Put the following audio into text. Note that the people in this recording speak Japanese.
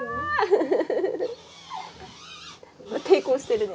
抵抗してるの。